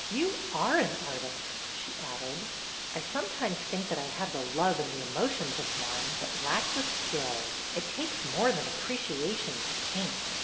You are an artist,'' she added. " I sometimes think that I have the love and the emotions of one, but lack the skill. It takes more than appreciation to paint."